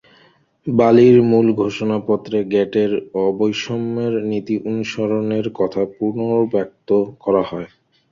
বালির মূল ঘোষণাপত্রে গ্যাটের অবৈষম্যের নীতি অনুসরণের কথা পুনর্ব্যক্ত করা হয়।